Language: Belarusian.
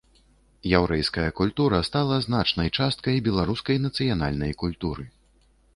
Яўрэйская культура стала значнай часткай беларускай нацыянальнай культуры.